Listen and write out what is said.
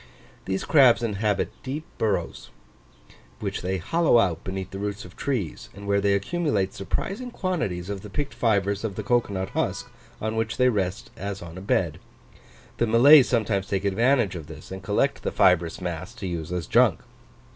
These crabs inhabit deep burrows, which they hollow out beneath the roots of trees; and where they accumulate surprising quantities of the picked fibres of the cocoa nut husk, on which they rest as on a bed. The Malays sometimes take advantage of this, and collect the fibrous mass to use as junk.